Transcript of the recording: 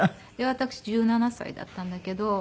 私１７歳だったんだけど。